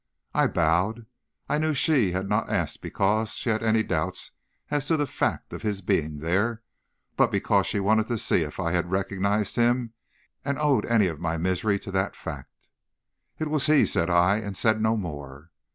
"I bowed. I knew she had not asked because she had any doubts as to the fact of his being there, but because she wanted to see if I had recognized him and owed any of my misery to that fact. "'It was he,' said I, and said no more.